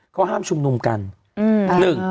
เขาห้ามชุมนุมกัน